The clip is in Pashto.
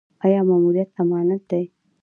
آیا ماموریت امانت دی؟